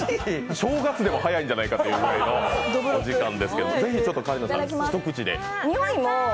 正月でも早いんじゃないかってぐらいのお時間ですがぜひ香里奈さん、一口で。